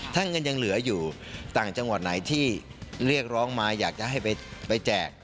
ถ้าเงินยังเหลืออยู่ต่างจังหวัดไหนที่เรียกร้องมาอยากจะให้ไปแจก